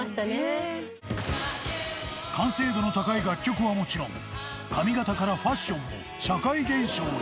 完成度の高い楽曲はもちろん髪形からファッションも社会現象に。